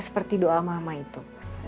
seperti doa mama itu